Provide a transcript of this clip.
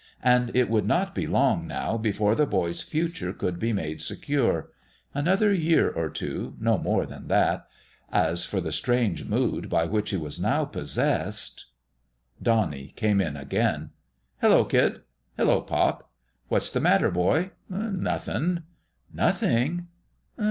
And it would not be long, now, before the boy's future could be made secure. Another year or two ; no more than that. As for the strange mood by which he was now possessed Donnie came in again. " Hello, kid !"" Hello, pop !"" What's the matter, boy ?"" Nothing." " Nothing